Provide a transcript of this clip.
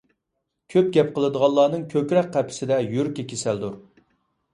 كۆپ گەپ قىلىدىغانلارنىڭ كۆكرەك قەپىسىدە يۈرىكى كېسەلدۇر.